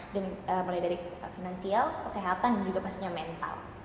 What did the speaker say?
dan mulai dari finansial kesehatan dan juga pastinya mental